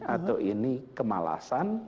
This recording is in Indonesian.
atau ini kemalasan